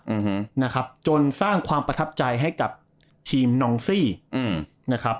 อืมนะครับจนสร้างความประทับใจให้กับทีมนองซี่อืมนะครับ